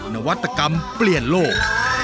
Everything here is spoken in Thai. นวัตกรรมเปลี่ยนโลก